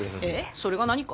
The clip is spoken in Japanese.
それが何か？